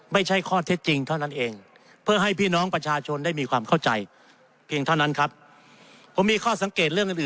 ไม่ใช่ข้อเท็จจริงเท่านั่นเอง